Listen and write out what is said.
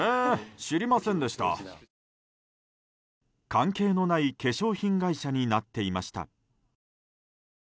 関係のない化粧品会社になっていました。